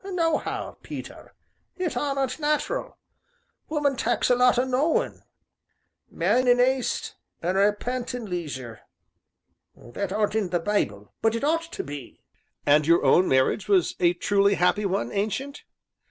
Nohow, Peter, it aren't nat'ral woman tak's a lot o' knowin'. 'Marry in 'aste, an' repent in leisure!' That aren't in the Bible, but it ought to be." "And your own marriage was a truly happy one, Ancient?"